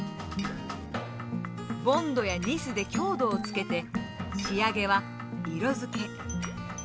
ボンドやニスで強度をつけて仕上げは色づけ。